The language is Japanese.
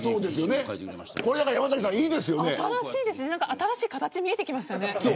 新しい形、見えてきましたね。